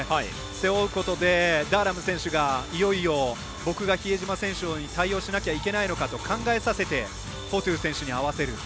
背負うことでダーラム選手が、いよいよ僕が比江島選手に対応しなければいけないのかと考えさせてフォトゥ選手に合わせる。